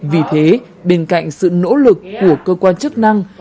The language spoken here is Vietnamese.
vì thế bên cạnh sự nỗ lực của cơ quan chức năng